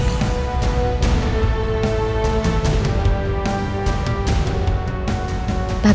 aku mau pergi